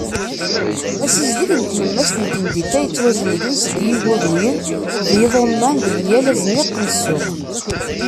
Asizdeg n tlemmast n temdint-a yettwazelgen seg yiguduyen d yiḍumman deg yal azniq n ssuq.